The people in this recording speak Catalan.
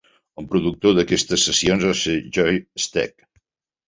El productor d'aquestes sessions va ser Joey Stec.